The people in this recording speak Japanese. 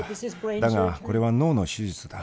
「だがこれは脳の手術だ。